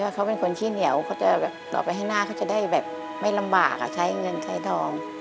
เขาเป็นคนขี้เหนียวเขาจะแบบต่อไปให้หน้าเขาจะได้แบบไม่ลำบากใช้เงินใช้ทอง